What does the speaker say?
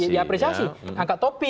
diapresiasi angkat topi